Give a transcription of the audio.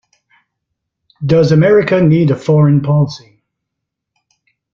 Does America Need a Foreign Policy?